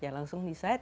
ya langsung di site